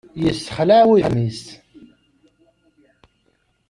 Yessexlaɛ wudem-is.